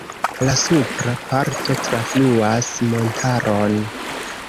La supra parto trafluas montaron.